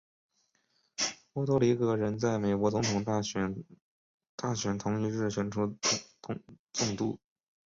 波多黎各人在美国总统大选同一日选出总督。